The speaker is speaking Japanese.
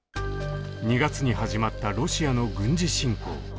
２月に始まったロシアの軍事侵攻。